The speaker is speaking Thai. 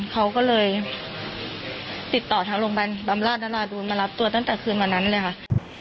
เขาก็เลยติดต่อทางโรงพยาบาลบำราชนราดูนมารับตัวตั้งแต่คืนวันนั้นเลยค่ะ